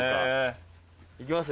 行きます